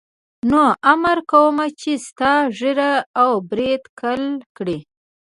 نو امر کوم چې ستا ږیره او برېت کل کړي.